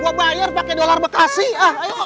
gua bayar pake dolar bekasi ah ayo